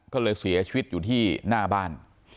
ก็เลยเสียชีวิตอยู่ที่หน้าบ้าน